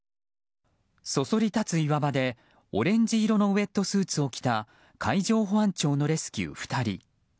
そそり立つ岩場で、オレンジ色のウェットスーツを着た海上保安庁のレスキュー２人。